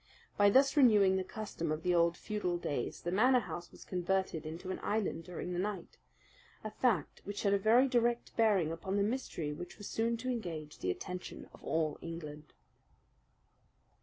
By thus renewing the custom of the old feudal days the Manor House was converted into an island during the night a fact which had a very direct bearing upon the mystery which was soon to engage the attention of all England.